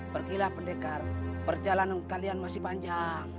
pergilah pendekar perjalanan kalian masih panjang